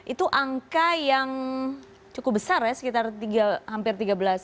itu angka yang cukup besar ya sekitar hampir tiga belas